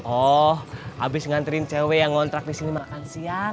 oh habis nganterin cewe yang ngontrak disini makan siang